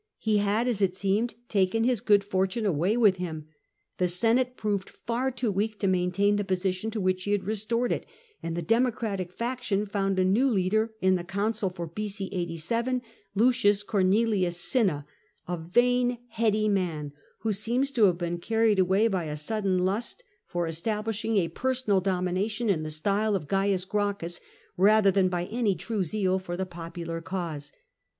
He had, as it seemed, taken his good fortune away with him. The Senate proved far too weak to maintain the position to which he had restored it, and the Democratic faction found a new leader in the consul for B.c. 87, L. Cornelius Cinna, a vain heady man, who seems to have been carried away by a sudden lust for establishing a personal domination in the style of Gains Gracchus, rather than by any true zeal for the popular cause.